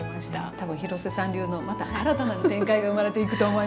多分廣瀬さん流のまた新たな展開が生まれていくと思います。